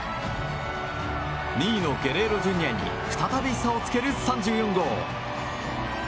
２位のゲレーロＪｒ．に再び差をつける３４号。